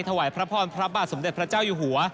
ถวายพระพรพระบาทสมเด็จพระเจ้าอยู่หัว